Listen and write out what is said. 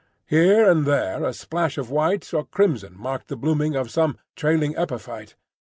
Here and there a splash of white or crimson marked the blooming of some trailing epiphyte.